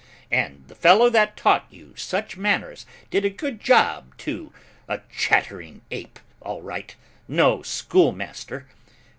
And the fellow that taught you such manners did a good job too, a chattering ape, all right, no schoolmaster.